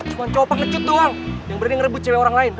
cuman cowok panggung lecut doang yang berani ngerebut cewek orang lain